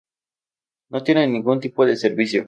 No tiene ningún tipo de servicio.